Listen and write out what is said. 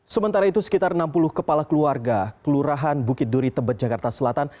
sementara itu sekitar enam puluh kepala keluarga kelurahan bukit duri tebet jakarta selatan